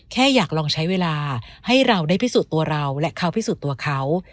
แค่อยากลองใช้เวลาให้เราได้พิสูจน์ตัวเราและเขาพิสูจน์ตัวเขา